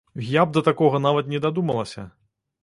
Я б да такога нават не дадумалася!